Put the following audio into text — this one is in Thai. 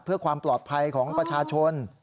เพื่อความปลอดภัยของประชาชน